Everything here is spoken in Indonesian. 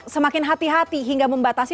semakin hati hati hingga membatasi